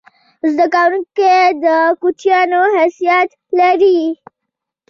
زده کوونکی د کوچنیانو حیثیت لري.